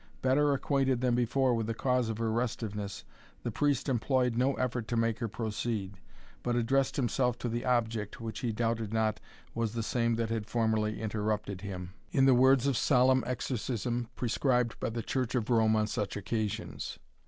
Better acquainted than before with the cause of her restiveness, the Priest employed no effort to make her proceed, but addressed himself to the object, which he doubted not was the same that had formerly interrupted him, in the words of solemn exorcism prescribed by the Church of Rome on such occasions.